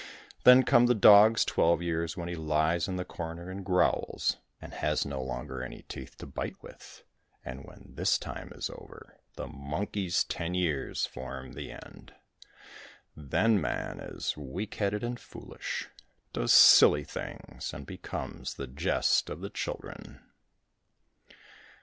Then come the dog's twelve years, when he lies in the corner, and growls and has no longer any teeth to bite with, and when this time is over the monkey's ten years form the end. Then man is weak headed and foolish, does silly things, and becomes the jest of the children.